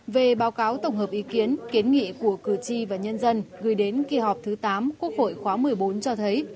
về báo cáo tổng hợp ý kiến kiến nghị của cử tri và nhân dân gửi đến kỳ họp thứ tám quốc hội khóa một mươi bốn cho thấy